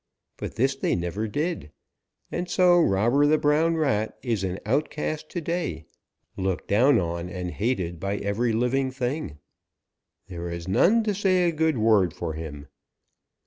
But this they never did, and so Robber the Brown Rat is an outcast to day, looked down on and hated by every living thing. There is none to say a good word for him.